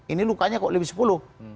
ini lukanya kok lebih sepuluh